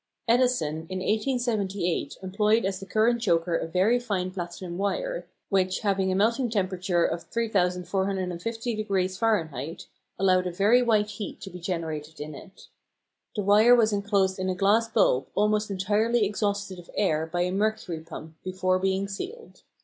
Edison in 1878 employed as the current choker a very fine platinum wire, which, having a melting temperature of 3450 degrees Fahrenheit, allowed a very white heat to be generated in it. The wire was enclosed in a glass bulb almost entirely exhausted of air by a mercury pump before being sealed.